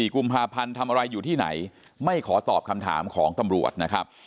กุมภาพันธ์ทำอะไรอยู่ที่ไหนไม่ขอตอบคำถามของตำรวจนะครับ